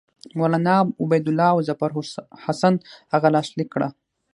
مولنا عبیدالله او ظفرحسن هغه لاسلیک کړه.